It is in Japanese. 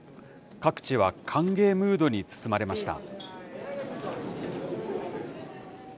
各地は歓迎ムードに包まれました。